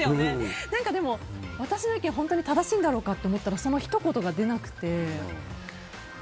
私の意見は本当に正しいんだろうかと思ったらそのひと言が出なくて。